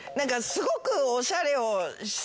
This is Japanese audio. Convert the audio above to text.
すごく。